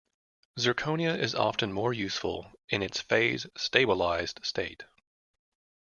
Zirconia is often more useful in its phase 'stabilized' state.